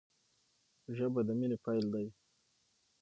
ژبه د مینې پیل دی